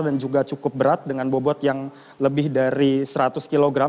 dan juga cukup berat dengan bobot yang lebih dari seratus kg